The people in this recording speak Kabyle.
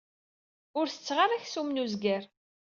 Ur setteɣ ara aksum n uzger.